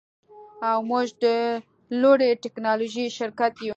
او موږ د لوړې ټیکنالوژۍ شرکت یو